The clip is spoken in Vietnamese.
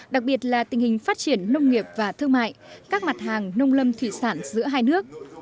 đặc biệt là tình hình phát triển nông nghiệp và thương mại các mặt hàng nông lâm thủy sản giữa hai nước